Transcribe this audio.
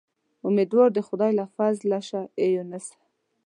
امیدوار د خدای له فضله شه اې یونسه.